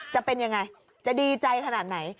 จะเป็นยังไงจะดีใจขนาดไหน